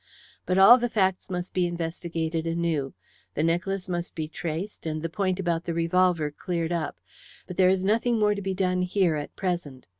But all the facts must be investigated anew. The necklace must be traced, and the point about the revolver cleared up. But there is nothing more to be done here at present.